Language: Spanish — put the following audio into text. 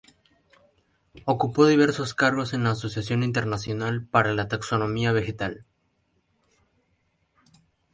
Ocupó diversos cargos en la Asociación Internacional para la Taxonomía Vegetal.